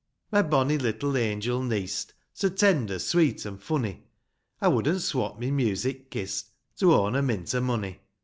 II. My bonny little angel neest, So tender, sweet an' funny, I wouldn't swap my music kist To own a mint o' money.